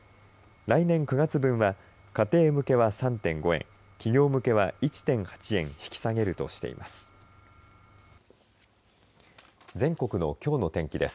来年９月分は家庭向けは３．５円企業向けは１．８円引き下げるとしています。